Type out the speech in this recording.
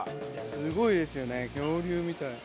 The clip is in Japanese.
すごいですよね恐竜みたい。